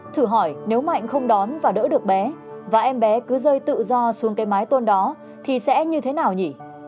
thử hỏi nếu mạnh không đón và đỡ được bé và em bé cứ rơi tự do xuống cái mái tôn đó thì sẽ như thế nào nhỉ